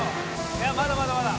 いやまだまだまだ。